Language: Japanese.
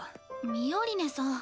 ミオリネさん。